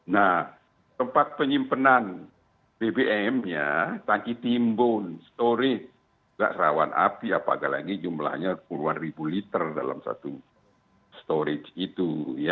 nah tempat penyimpanan bbm nya tangki timbun storage nggak rawan api apalagi jumlahnya puluhan ribu liter dalam satu storage itu